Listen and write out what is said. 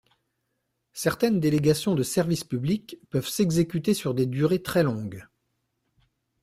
Certaines délégations de service public peuvent s’exécuter sur des durées très longues.